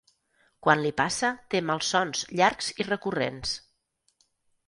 Quan li passa té malsons llargs i recurrents.